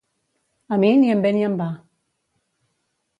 A mi ni em ve ni em va.